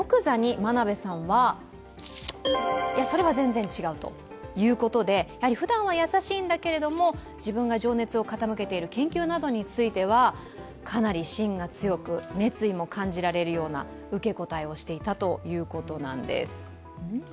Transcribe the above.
質問が、もうすごい。ふだんは優しいんだけれども自分が情熱を傾けている研究などについてはかなり芯が強く、熱意も感じられるような受け答えをしていたということなんです。